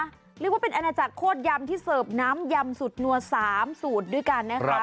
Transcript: เรียกว่าเป็นอาณาจักรโคตรยำที่เสิร์ฟน้ำยำสุดนัว๓สูตรด้วยกันนะคะ